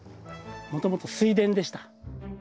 もともと水田でした。